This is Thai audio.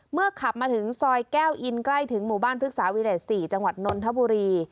ขับมาถึงซอยแก้วอินใกล้ถึงหมู่บ้านพฤกษาวิเศษ๔จังหวัดนนทบุรี